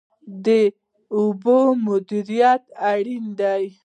د اوبو مدیریت اړین دی.